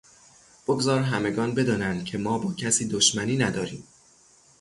بگذار همگان بدانند که ما با کسی دشمنی نداریم.